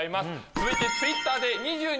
続いてＴｗｉｔｔｅｒで。